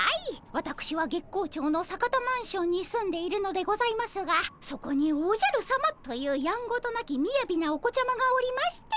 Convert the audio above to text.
わたくしは月光町の坂田マンションに住んでいるのでございますがそこにおじゃるさまというやんごとなきみやびなお子ちゃまがおりまして。